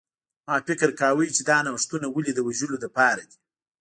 ما فکر کاوه چې دا نوښتونه ولې د وژلو لپاره دي